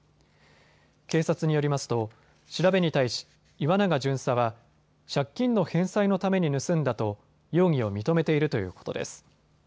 警察によりますと調べに対し岩永巡査は借金の返済のために盗んだと容疑を認めているということです。